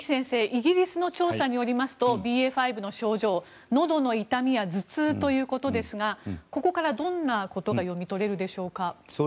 イギリスの調査によりますとＢＡ．５の症状、のどの痛みや頭痛ということですがここからどんなことが読み取れるでしょうか？